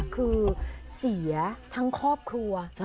คือเสียทั้งครอบครัว